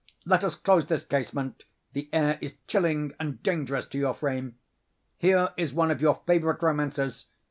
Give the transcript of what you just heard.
Let us close this casement;—the air is chilling and dangerous to your frame. Here is one of your favorite romances.